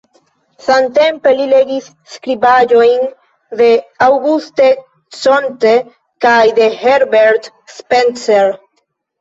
Samtempe li legis skribaĵojn de Auguste Comte kaj de Herbert Spencer.